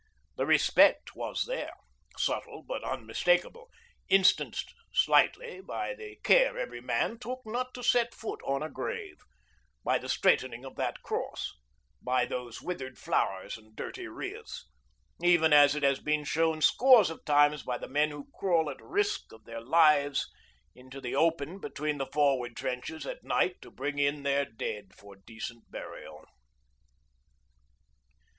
The respect was there, subtle but unmistakable, instanced slightly by the care every man took not to set foot on a grave, by the straightening of that cross, by those withered flowers and dirty wreaths, even as it has been shown scores of times by the men who crawl at risk of their lives into the open between the forward trenches at night to bring in their dead for decent burial.